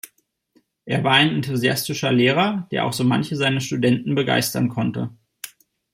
Er war ein enthusiastischer Lehrer, der auch so manche seiner Studenten begeistern konnte.